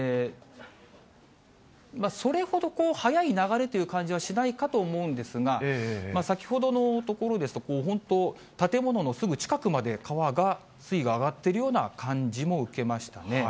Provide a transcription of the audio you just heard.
それほど速い流れという感じはしないかと思うんですが、先ほどの所ですと、本当、建物のすぐ近くまで川が、水位が上がっているような感じも受けましたね。